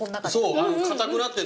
そう硬くなって。